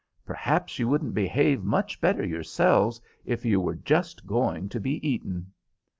Perhaps you wouldn't behave much better yourselves if you were just going to be eaten."